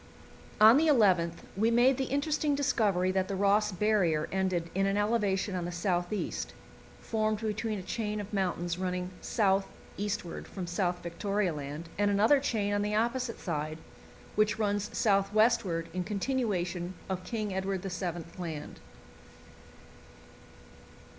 On the 11th we made the interesting discovery that the Ross Barrier ended in an elevation on the south east, formed between a chain of mountains running south eastward from South Victoria Land and another chain on the opposite side, which runs south westward in continuation of King Edward VII. Land.